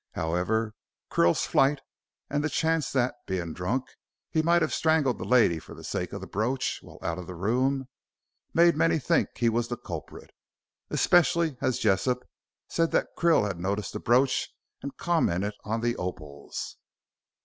However, Krill's flight and the chance that, being drunk, he might have strangled the lady for the sake of the brooch while out of the room, made many think he was the culprit, especially as Jessop said that Krill had noticed the brooch and commented on the opals."